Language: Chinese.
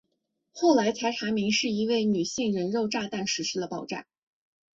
后来才查明是一位女性人肉炸弹实施了爆炸。